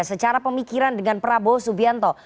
secara pemikiran dengan prabowo subianto